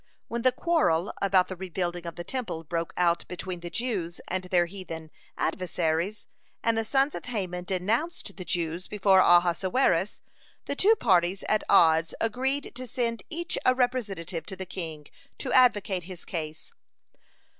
When the quarrel about the rebuilding of the Temple broke out between the Jews and their heathen adversaries, and the sons of Haman denounced the Jews before Ahasuerus, the two parties at odds agreed to send each a representative to the king, to advocate his case.